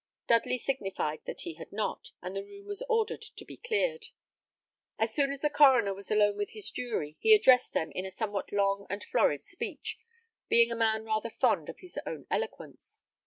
Dudley signified that he had not, and the room was ordered to be cleared. As soon as the coroner was alone with his jury, he addressed them in a somewhat long and florid speech, being a man rather fond of his own eloquence.